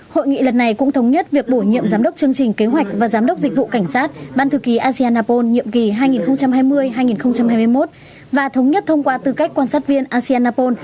hội nghị lần này cũng thống nhất việc bổ nhiệm giám đốc chương trình kế hoạch và giám đốc dịch vụ cảnh sát ban thư ký asean apol nhiệm kỳ hai nghìn hai mươi hai nghìn hai mươi một và thống nhất thông qua tư cách quan sát viên asean apol